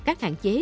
các hạn chế